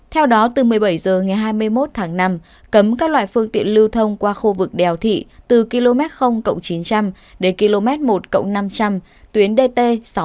theo đó từ một mươi bảy h ngày hai mươi một tháng năm cấm các loại phương tiện lưu thông qua khu vực đèo thị từ km chín trăm linh đến km một năm trăm linh tuyến dt sáu trăm sáu mươi bảy